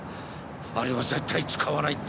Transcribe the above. あれは絶対使わないって。